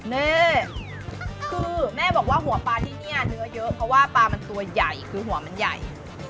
นี่คือแม่บอกว่าหัวปลาที่นี่เนื้อเยอะเพราะว่าปลามันตัวใหญ่คือหัวมันใหญ่